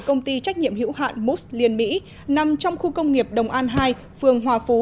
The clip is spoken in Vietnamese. công ty trách nhiệm hữu hạn moos liên mỹ nằm trong khu công nghiệp đồng an hai phường hòa phú